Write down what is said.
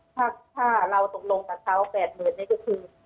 ถ้าเราตกลงตะเช้า๘๐๐๐๐บาทนี่ก็คือ